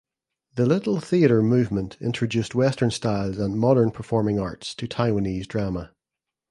The Little Theatre Movement introduced Western styles and modern performing arts to Taiwanese drama.